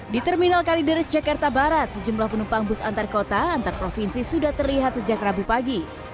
di terminal kalideres jakarta barat sejumlah penumpang bus antar kota antar provinsi sudah terlihat sejak rabu pagi